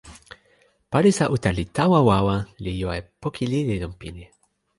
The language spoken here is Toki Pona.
palisa uta li tawa wawa, li jo e poki lili lon pini.